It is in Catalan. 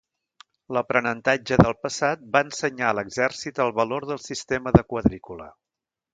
L'aprenentatge del passat va ensenyar a l'exèrcit el valor del sistema de quadrícula.